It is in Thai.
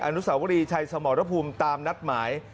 อนุสาวรีชัยสมรภูมิตามนัดหมาย